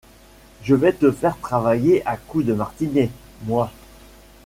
Je vais te faire travailler à coups de martinet, moi.